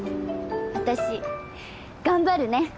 私頑張るね。